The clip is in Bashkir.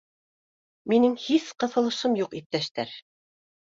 — Минең һис ҡыҫылышым юҡ, иптәштәр